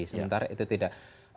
sebentar itu tidak